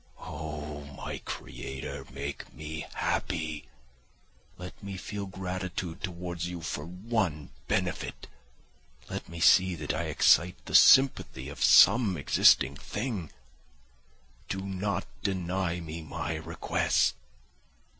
Oh! My creator, make me happy; let me feel gratitude towards you for one benefit! Let me see that I excite the sympathy of some existing thing; do not deny me my request!"